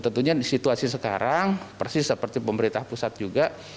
tentunya di situasi sekarang persis seperti pemerintah pusat juga